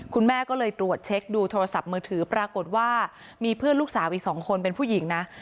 คุณแม่ก็เลยตรวจเช็คดูโทรศัพท์มือถือปรากฏว่ามีเพื่อนลูกสาวอีก๒คนเป็นผู้หญิงนะ